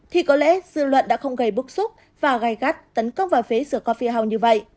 thì có lẽ dư luận đã không gây bức xúc và gai gắt tấn công vào phế the coffee house như vậy